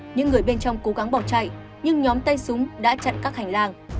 những người bên trong cố gắng bỏ chạy nhưng nhóm tay súng đã chặn các hành lang